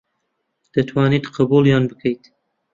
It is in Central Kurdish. دەتوانیت قبووڵیان بکەیت